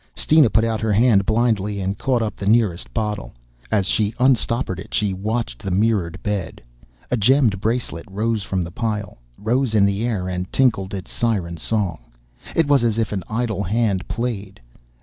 Steena put out her hand blindly and caught up the nearest bottle. As she unstoppered it she watched the mirrored bed. A gemmed bracelet rose from the pile, rose in the air and tinkled its siren song. It was as if an idle hand played....